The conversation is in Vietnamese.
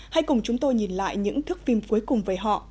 hãy cùng chúng tôi nhìn lại những thước phim cuối cùng về họ